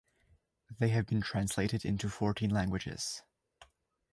They have been translated into fourteen languages.